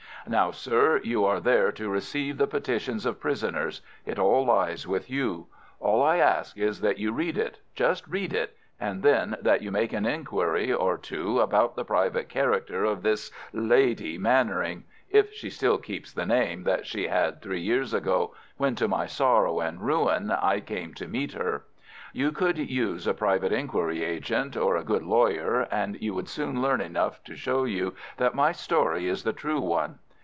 Now, sir, you are there to receive the petitions of prisoners. It all lies with you. All I ask is that you read it—just read it—and then that you make an inquiry or two about the private character of this "lady" Mannering, if she still keeps the name that she had three years ago, when to my sorrow and ruin I came to meet her. You could use a private inquiry agent or a good lawyer, and you would soon learn enough to show you that my story is the true one.